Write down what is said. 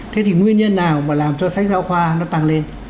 thế thì nguyên nhân nào mà làm cho sách giáo khoa nó tăng lên